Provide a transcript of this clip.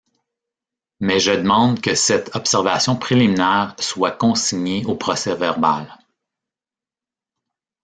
Mais je demande que cette observation préliminaire soit consignée au procès-verbal.